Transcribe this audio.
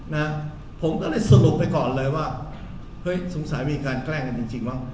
นะผมก็เลยสรุปไปก่อนเลยว่าเฮ้ยสงสัยมีการแกล้งกันจริงจริงวะ